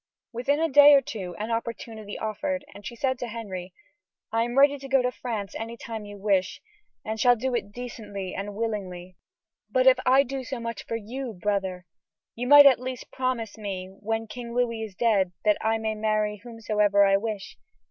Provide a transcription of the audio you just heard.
Within a day or two an opportunity offered, and she said to Henry: "I am ready to go to France any time you wish, and shall do it decently and willingly; but if I do so much for you, brother, you might at least promise me that when King Louis is dead I may marry whomsoever I wish.